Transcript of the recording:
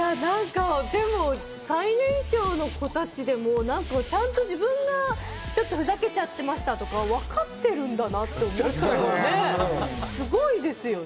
でも最年少の子たち、ちゃんと自分がちょっとふざけっちゃってましたとか、わかってるんだなって思って、すごいですよね。